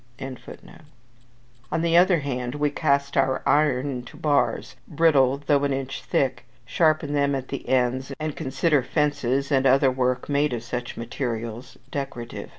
] On the other hand, we cast our iron into bars brittle, though an inch thick sharpen them at the ends, and consider fences, and other work, made of such materials, decorative!